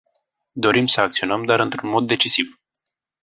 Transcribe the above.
Dorim să acționăm, dar într-un mod decisiv.